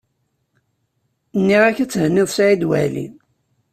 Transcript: Nniɣ-ak ad thenniḍ Saɛid Waɛli.